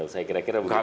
saya kira kira begitu